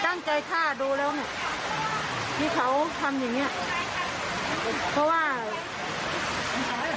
ตั้งใจฆ่าดูแล้วเนี่ยที่เขาทำอย่างเงี้ยเพราะว่า